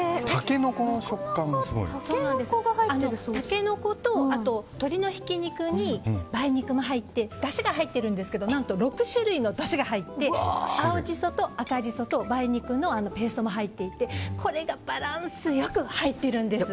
タケノコと鶏のひき肉に梅肉も入ってだしが入ってるんですけど何と６種類のだしが入って青ジソと赤ジソと梅肉のペーストも入っていてこれがバランス良く入っているんです。